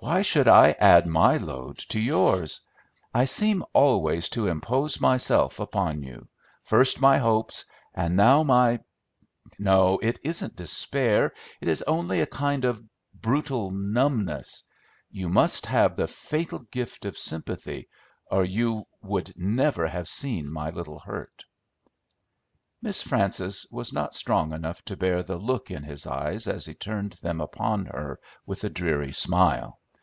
"Why should I add my load to yours? I seem always to impose myself upon you, first my hopes, and now my no, it isn't despair; it is only a kind of brutal numbness. You must have the fatal gift of sympathy, or you would never have seen my little hurt." Miss Frances was not strong enough to bear the look in his eyes as he turned them upon her, with a dreary smile.